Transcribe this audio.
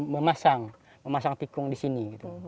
memasang memasang tikung di sini